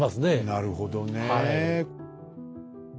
なるほどねえ。